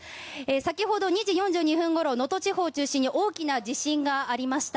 先ほど２時４２分ごろ能登地方を中心に大きな地震がありました。